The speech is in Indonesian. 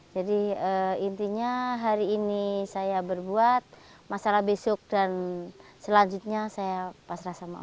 jadi intinya hari ini saya berbuat masalah besok dan selanjutnya saya pasrah sama allah